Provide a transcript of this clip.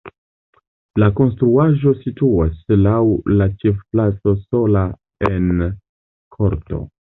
La konstruaĵo situas laŭ la ĉefplaco sola en korto.